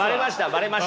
バレました？